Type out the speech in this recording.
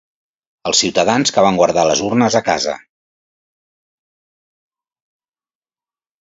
Als ciutadans que van guardar les urnes a casa.